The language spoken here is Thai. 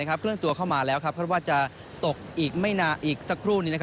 เคลื่อนตัวเข้ามาแล้วคาดว่าจะตกอีกไม่นานอีกสักครู่นี้